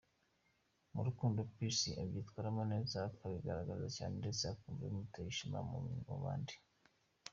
Mu rukundo Peace abyitwaramo neza akabigaragaza cyane ndetse akumva bimuteye ishema mu bandi.